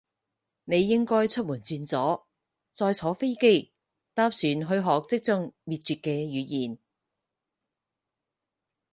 你應該出門轉左，再坐飛機，搭船去學即將滅絕嘅語言